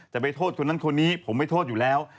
จะไปโทษคนนั้นคนนี้ผมไม่โทษอยู่แล้ว